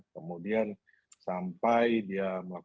kemudian sampai dia melakukan